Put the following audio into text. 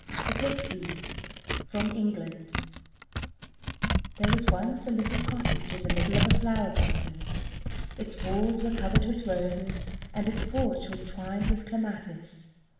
THE PIXIES From England There was once a little cottage in the middle of a flower garden. Its walls were covered with roses, and its porch was twined with clematis.